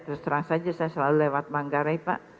terus terang saja saya selalu lewat manggarai pak